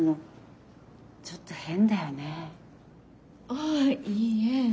あぁいいえ。